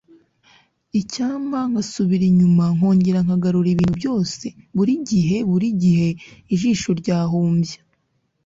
icyampa nkasubira inyuma nkongera nkagarura ibintu byose, burigihe burigihe ijisho ryahumbya